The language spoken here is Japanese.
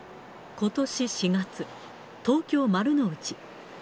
ことし４月、東京・丸の内。